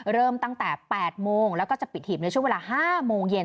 เริ่มตั้งแต่๘โมงแล้วก็จะปิดหีบในช่วงเวลา๕โมงเย็น